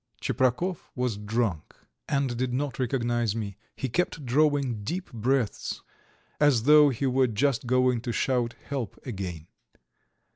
Tcheprakov was drunk and did not recognize me; he kept drawing deep breaths, as though he were just going to shout "help" again.